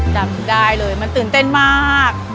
จำได้เลยมันตื่นเต้นมาก